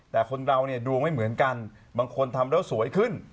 แต่คนเราเนี่ยดวงไม่เหมือนกันบางคนทำแล้วสวยขึ้น